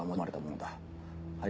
はい。